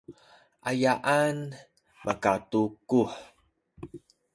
ayaan makatukuh?